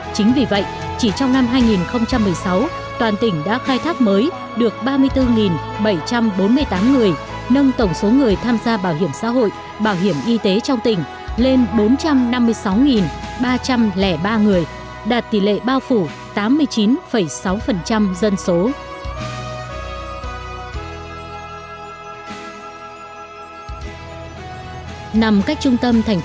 chính vì vậy chỉ trong năm hai nghìn một mươi sáu toàn tỉnh đã khai thác mới được ba mươi bốn bảy trăm bốn mươi tám người nâng tổng số người tham gia bảo hiểm xã hội bảo hiểm y tế trong tỉnh lên bốn trăm năm mươi sáu ba trăm linh ba người đạt tỷ lệ bao phủ tám mươi chín sáu dân sản